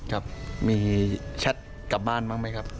ครับมีแชทกลับบ้านบ้างไหมครับ